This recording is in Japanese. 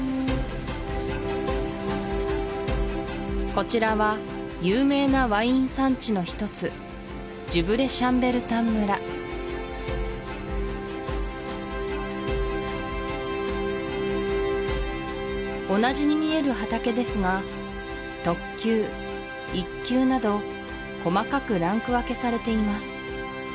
こちらは有名なワイン産地の一つ同じに見える畑ですが特級１級など細かくランク分けされています